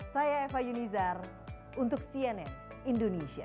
saya eva yunizar untuk cnn indonesia